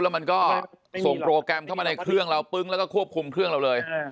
แล้วมันก็ส่งโปรแกรมเข้ามาในเครื่องเราปึ้งแล้วก็ควบคุมเครื่องเราเลย